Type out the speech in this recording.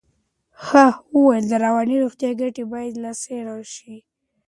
ها وویل د رواني روغتیا ګټې باید لا څېړل شي.